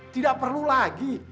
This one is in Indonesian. tidak perlu lagi